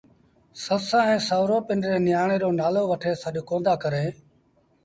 سس ائيٚݩ سُورو پنڊري نيٚآڻي رو نآلو وٺي سڏ ڪوندآ ڪريݩ